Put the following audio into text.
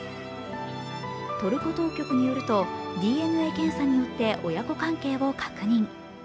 トルコ当局によると、ＤＮＡ検査によって親子関係を確認。